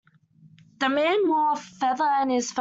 The man wore a feather in his felt hat.